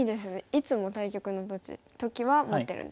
いつも対局の時は持ってるんですか？